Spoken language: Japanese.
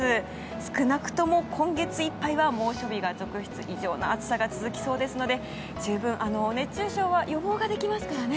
少なくとも今月いっぱいは猛暑日が続出異常な暑さが続きそうですので熱中症は予防ができますから。